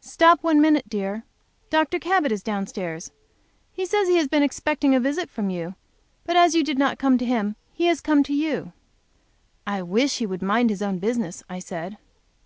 "Stop one minute, dear. Dr. Cabot is downstairs. He says he has been expecting a visit from you, and that as you did not come to him, he has come to you." "I wish he would mind his own business," I said.